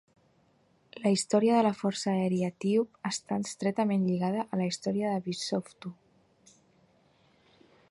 La història de la força aèria etíop està estretament lligada a la història de Bishoftu.